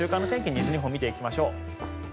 西日本から見ていきましょう。